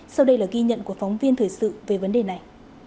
sau đây là ghi nhận của phóng viên thời sự về vấn đề này